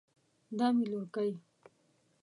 دا مې لورکۍ